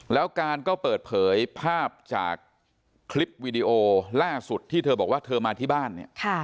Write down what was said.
แล้วการก็เปิดเผยภาพจากคลิปวีดีโอล่าสุดที่เธอบอกว่าเธอมาที่บ้านเนี่ย